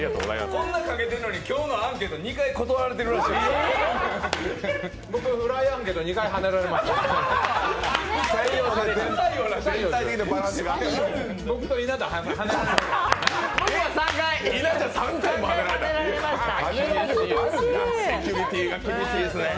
こんな賭けてるのに、今日のアンケート、２回はねられてるらしいですよ。